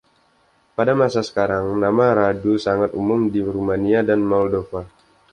Pada masa sekarang, nama Radu sangat umum di Rumania dan Moldova.